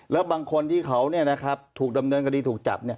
แล้วบางคนที่เขาถูกดำเนินคดีถูกจับ